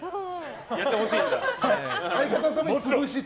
やってほしいんだ。